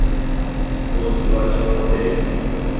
ہو چوہا چھور تے